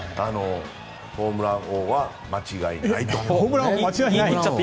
ホームラン王は間違いないと。